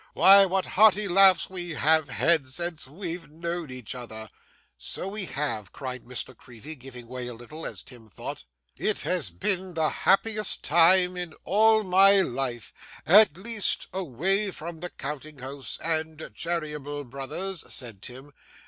Why, what hearty laughs we have had since we've known each other!' 'So we have,' cried Miss La Creevy giving way a little, as Tim thought. 'It has been the happiest time in all my life; at least, away from the counting house and Cheeryble Brothers,' said Tim.